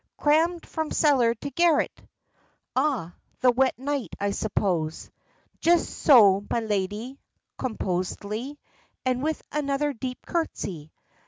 "Crammed from cellar to garret." "Ah! the wet night, I suppose." "Just so, my lady," composedly, and with another deep curtsey.